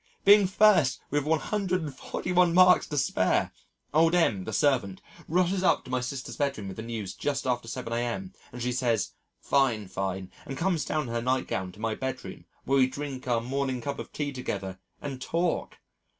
being first with 141 marks to spare. Old M [the servant] rushes up to my sister's bedroom with the news just after 7 a.m., and she says, "Fine, fine," and comes down in her nightgown to my bedroom, where we drink our morning cup of tea together and talk!